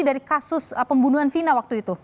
dari kasus pembunuhan vina waktu itu